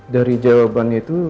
dari jawabannya itu